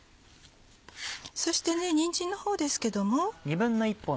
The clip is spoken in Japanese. そしてにんじんのほうですけども。